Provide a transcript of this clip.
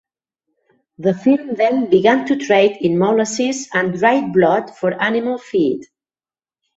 The firm then began to trade in molasses and dried blood for animal feed.